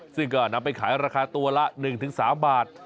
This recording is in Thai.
ซึ่งก็นำไปขายราคาตัวละ๑๓บาท